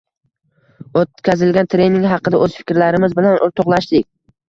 O'tkazilgan trening haqida o'z fikrlarimiz bilan o'rtoqlashdik.